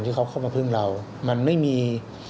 ที่เขาเข้ามาพึ่งเรามันไม่มี